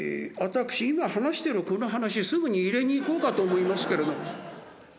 今話してるこの話すぐに入れに行こうかと思いますけれども。